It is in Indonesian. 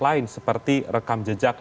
lain seperti rekam jejak